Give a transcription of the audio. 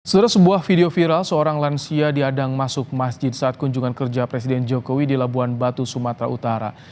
setelah sebuah video viral seorang lansia diadang masuk masjid saat kunjungan kerja presiden jokowi di labuan batu sumatera utara